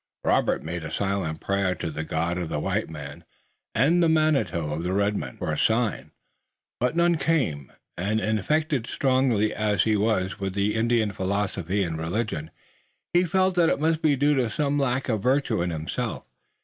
Robert made a silent prayer to the God of the white man, the Manitou of the red man, for a sign, but none came, and infected strongly as he was with the Indian philosophy and religion, he felt that it must be due to some lack of virtue in himself.